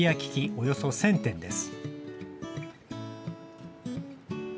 およそ１０００点です。